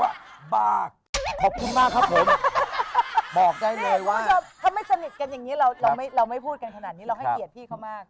เราให้เกลียดพี่เข้ามาก